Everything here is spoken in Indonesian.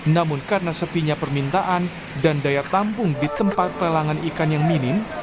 namun karena sepinya permintaan dan daya tampung di tempat pelelangan ikan yang minim